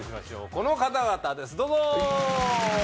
この方々ですどうぞ。